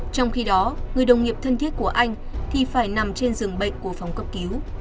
trong khi đó người đồng nghiệp thân thiết của anh thì phải nằm trên giường bệnh của phòng cấp cứu